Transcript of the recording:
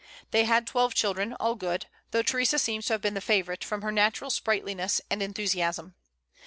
They had twelve children, all good, though Theresa seems to have been the favorite, from her natural sprightliness and enthusiasm.